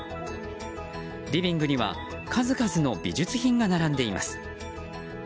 リビングには数々の美術品が並んでいます。